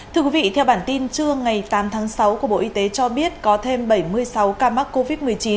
thưa quý vị theo bản tin trưa ngày tám tháng sáu của bộ y tế cho biết có thêm bảy mươi sáu ca mắc covid một mươi chín